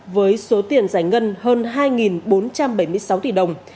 với số tiền giải ngân hơn hai bốn trăm bảy mươi sáu tỷ đồng